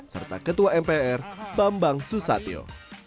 serta ketua mpr bambang susatyo